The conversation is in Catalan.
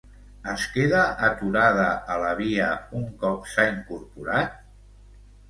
Es queda aturada a la via un cop s'ha incorporat?